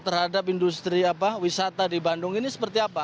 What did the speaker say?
terhadap industri wisata di bandung ini seperti apa